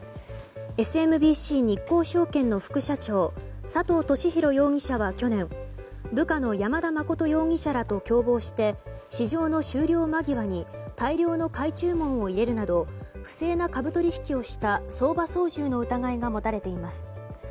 ＳＭＢＣ日興証券の副社長佐藤俊弘容疑者は去年部下の山田誠容疑者らと共謀して市場の終了間際に大量の買い注文を入れるなど不正な株取引をした相場操縦の疑いが持たれています。